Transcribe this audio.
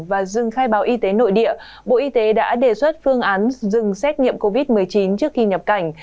và dừng khai báo y tế nội địa bộ y tế đã đề xuất phương án dừng xét nghiệm covid một mươi chín trước khi nhập cảnh